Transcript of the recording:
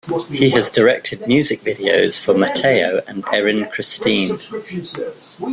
He has directed music videos for Mateo and Erin Christine.